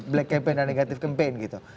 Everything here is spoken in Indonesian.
black campaign dan negatif campaign gitu